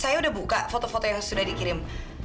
saya udah buka foto foto yang sudah dikirim